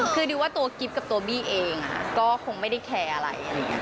คือดิวว่าตัวกิฟต์กับตัวบี้เองก็คงไม่ได้แคร์อะไร